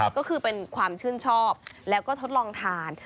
ก็คือเป็นความชื่นชอบแล้วก็ทดลองทาน